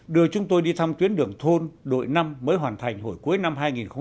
đưa chúng tôi đi thăm tuyến đường thôn đội năm mới hoàn thành hồi cuối năm hai nghìn một mươi tám